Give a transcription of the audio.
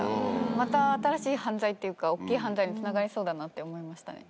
また新しい犯罪っていうか大っきい犯罪につながりそうだなって思いましたね。